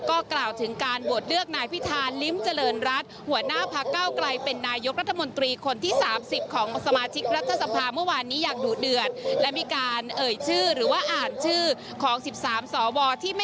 ก็กล่าวถึงการบวกเลือกนายพิธาริมเจริญรัฐ